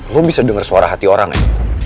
lo bisa denger suara hati orang ya